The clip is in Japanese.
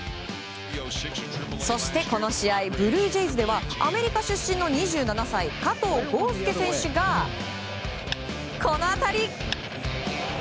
そして、この試合ブルージェイズではアメリカ出身の２７歳加藤豪将選手がこの当たり！